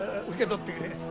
受け取ってくれ。